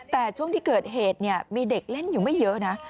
แต่ช่วงที่เกิดเหตุมีเด็กเล่นอยู่ไม่เยอะนะ